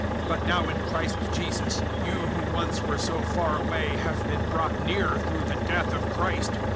002:013 But now in Christ Jesus you who once were so far away have been brought near through the death of Christ.